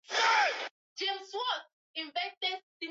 Sina shida yoyote ile